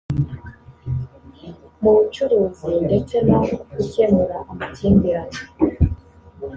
mu bucuruzi ndetse no gukemura amakimbirane